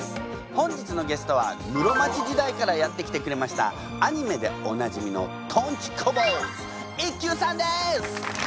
本日のゲストは室町時代からやって来てくれましたアニメでおなじみのとんち小坊主一休さんです！